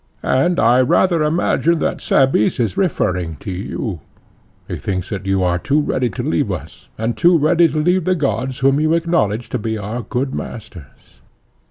And I rather imagine that Cebes is referring to you; he thinks that you are too ready to leave us, and too ready to leave the gods whom you acknowledge to be our good masters.